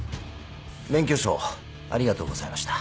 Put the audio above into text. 免許証ありがとうございました